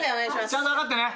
ちゃんと計ってね。